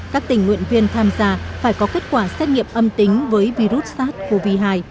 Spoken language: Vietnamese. các tình nguyện viên tham gia phải có kết quả xét nghiệm âm tính với virus sars cov hai